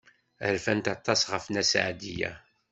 Rfant aṭas ɣef Nna Seɛdiya.